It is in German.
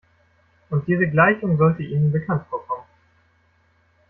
Und diese Gleichung sollte Ihnen bekannt vorkommen.